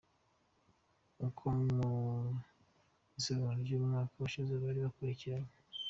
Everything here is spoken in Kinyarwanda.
Uko mu isiganwa ry’umwaka ushize bari bakurikiranye.